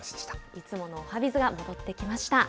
いつものおはＢｉｚが戻ってきました。